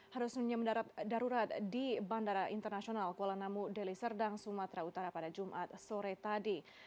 harusnya mendarat darurat di bandara internasional kuala namu deli serdang sumatera utara pada jumat sore tadi